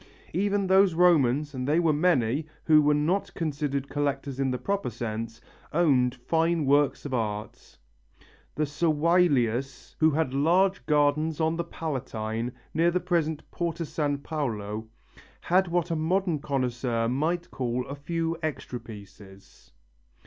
Even those Romans, and they were many, who were not considered collectors in the proper sense, owned fine works of art. The Servilius, who had large gardens on the Palatine near the present Porta San Paolo, had what a modern connoisseur might call a few extra pieces.